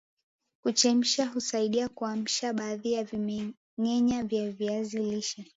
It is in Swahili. Kuchemsha husaidia kuamsha baadhi ya vimengenya vya viazi lishe